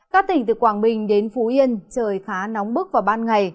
các tỉnh từ quảng bình đến phú yên trời khá nóng bức vào ban ngày